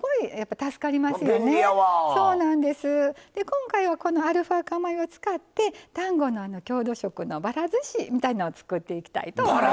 今回はこのアルファ化米を使って丹後のあの郷土食のばらずしみたいのを作っていきたいと思います。